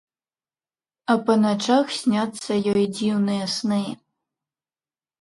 А па начах сняцца ёй дзіўныя сны.